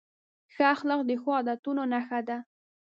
ښه اخلاق د ښو عادتونو نښه ده.